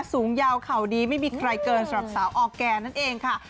สูงยาวเข่าดีไม่มีใครเกินสำหรับสาวออร์แกนนั่นเองค่ะ